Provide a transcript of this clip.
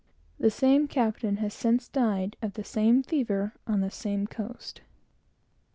(The same captain has since died of the same fever on the same coast.)